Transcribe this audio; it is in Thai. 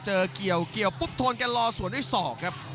เกี่ยวเกี่ยวปุ๊บโทนแกรอสวนด้วยศอกครับ